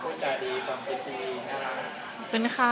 ขอบคุณค่ะ